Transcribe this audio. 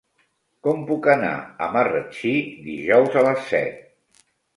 Com puc anar a Marratxí dijous a les set?